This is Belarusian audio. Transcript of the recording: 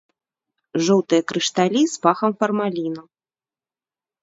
Жоўтыя крышталі з пахам фармаліну.